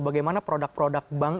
bagaimana produk produk bank